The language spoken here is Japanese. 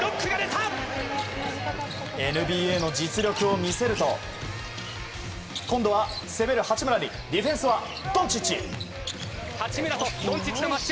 ＮＢＡの実力を見せると今度は、攻める八村にディフェンスは、ドンチッチ！